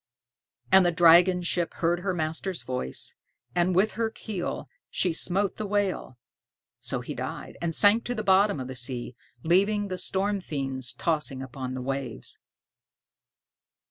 And the dragon ship heard her master's voice, and with her keel she smote the whale; so he died, and sank to the bottom of the sea, leaving the storm fiends tossing upon the waves.